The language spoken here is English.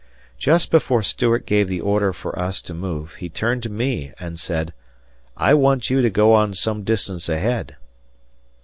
Just before Stuart gave the order for us to move, he turned to me and said, "I want you to go on some distance ahead."